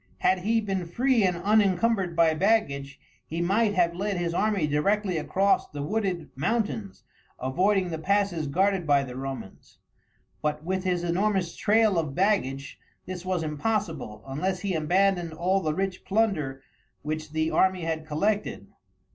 Had he been free and unencumbered by baggage he might have led his army directly across the wooded mountains, avoiding the passes guarded by the Romans, but with his enormous trail of baggage this was impossible unless he abandoned all the rich plunder which the army had collected.